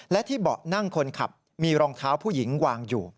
และที่เบาะนั่งคนขับมีรองเท้าผู้หญิงวางอยู่